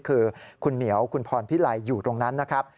คือคุณเหมียวคุณพรพิไลอยู่ตรงนั้นนะครับ